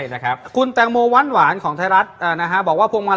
เล็กเล็กเล็กเล็กเล็กเล็กเล็กเล็กเล็กเล็กเล็กเล็ก